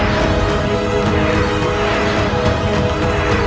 siliwangi juga sudah meragukan